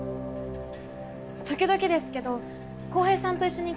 時々ですけど浩平さんと一緒に来てました。